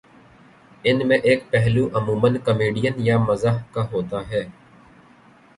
ان میں ایک پہلو عمومًا کامیڈی یا مزاح کا ہوتا ہے